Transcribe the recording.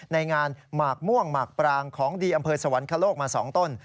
ในงานหมากม่วงหมากปรางของดีอำเภอสวรรคโลกมา๒ต้น